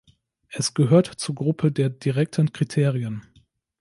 Es gehört zur Gruppe der direkten Kriterien.